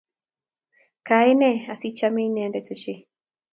Kaine asichame inendet ochei?